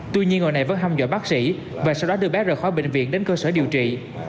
tuy nhiên người này vẫn không dõi bác sĩ và sau đó đưa bác rời khỏi bệnh viện đến cơ sở điều trị